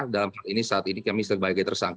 dalam hal ini saat ini kami sebagai tersangka